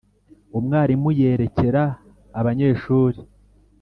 umwarimu yerekera abanyeshuri,